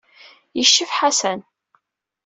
Yeccef Ḥasan.